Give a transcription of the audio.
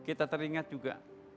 kita teringat juga